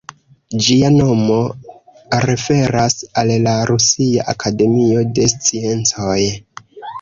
Ĝia nomo referas al la Rusia Akademio de Sciencoj.